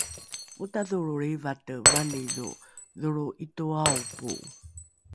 otadholro lrivate vanidho dholro ’itoaopo